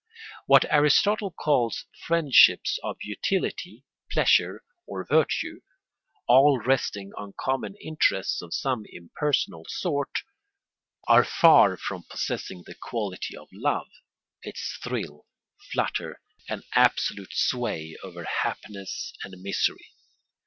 What Aristotle calls friendships of utility, pleasure, or virtue, all resting on common interests of some impersonal sort, are far from possessing the quality of love, its thrill, flutter, and absolute sway over happiness and misery.